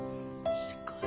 すごい。